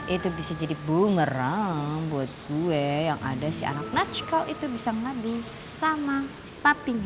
itu bisa jadi boomerang buat gue yang ada si anak natch call itu bisa ngelabih sama papinya